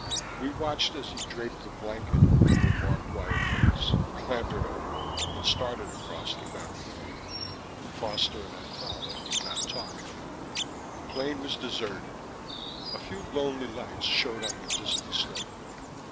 We watched as he draped the blanket over a barbed wire fence, clambered over, and started across the barren field. Foster and I followed, not talking. The plain was deserted. A few lonely lights showed on a distant slope.